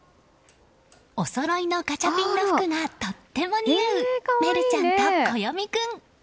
おそろいのガチャピンの服がとっても似合う愛琉ちゃんと暦君。